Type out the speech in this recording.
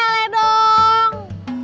itu mah pecele dong